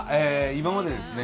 今までですね